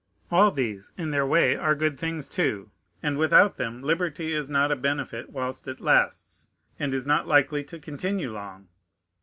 All these (in their way) are good things, too; and without them, liberty is not a benefit whilst it lasts, and is not likely to continue long.